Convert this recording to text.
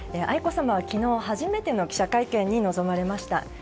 愛子さまは昨日初めての記者会見に臨まれました。